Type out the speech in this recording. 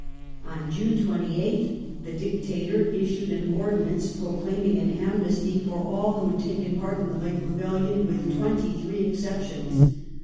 On June 28th the Dictator issued an Ordinance {M'oclaiming an amnesty for all who had taken part in the late rebellion, with twenty three exceptions.